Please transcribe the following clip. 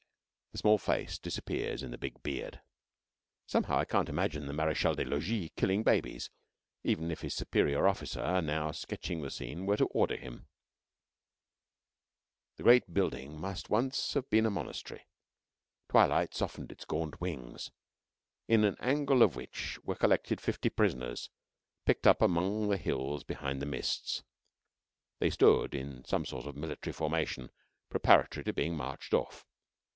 The small face disappears in the big beard. Somehow, I can't imagine the Marechal des Logis killing babies even if his superior officer, now sketching the scene, were to order him! ....... The great building must once have been a monastery. Twilight softened its gaunt wings, in an angle of which were collected fifty prisoners, picked up among the hills behind the mists. They stood in some sort of military formation preparatory to being marched off.